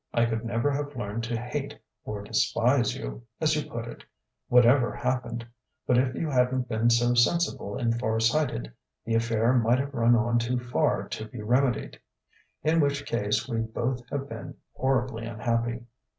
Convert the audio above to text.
I could never have learned to hate or despise you as you put it whatever happened; but if you hadn't been so sensible and far sighted, the affair might have run on too far to be remedied. In which case we'd both have been horribly unhappy."